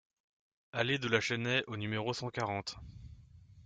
Allée de la Chênaie au numéro cent quarante